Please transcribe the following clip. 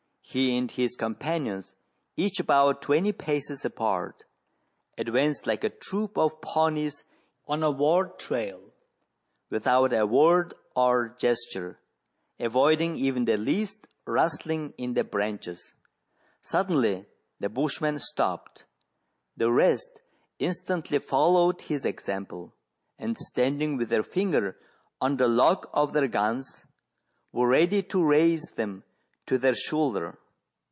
He and his companions, each about twenty paces apart, advanced like a troop of Pawnies on a war trail, without a word or gesture, avoiding even the least rustling in the branches. Suddenly the bushman stopped ; the rest instantly followed his example, and standing with the;r THREE ENGLISHMEN AND THREE RUSSIANS. 223 finger on the lock of their guns, were ready to raise them to their shoulder.